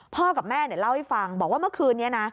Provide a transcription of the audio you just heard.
กับแม่เล่าให้ฟังบอกว่าเมื่อคืนนี้นะ